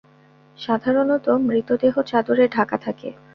সাধারণত মৃতদেহ চাদরে ঢাকা থাকে।